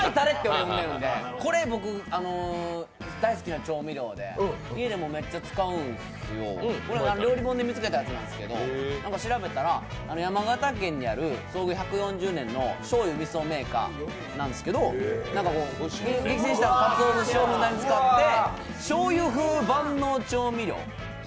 これ、僕大好きな調味料で家でもめっちゃ使う、料理本で見つけたやつなんですけど調べたら山形県の創業１４０年のしょうゆ・みそメーカーなんですけど厳選したかつお節をふんだんに使ってしょうゆ風万能調味料。